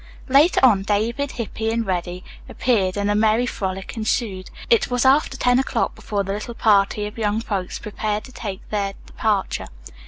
Later on, David, Hippy and Reddy appeared and a merry frolic ensued. It was after ten o'clock before the little party of young folks prepared to take their departure.